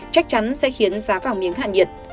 chắc chắn sẽ khiến giá vàng miếng hạn nhiệt